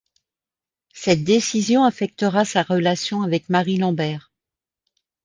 Cette décision affectera sa relation avec Marie Lambert.